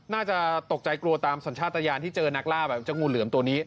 น่าจะตกใจกลัวตามสัญชาติยานที่เจอนักล่าแบบเจ้างูเหลือมตัวนี้